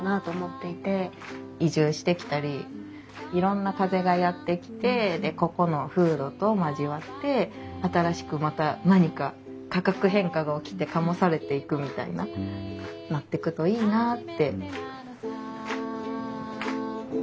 移住してきたりいろんな風がやって来てでここの風土と交わって新しくまた何か化学変化が起きて醸されていくみたいななってくといいなあって。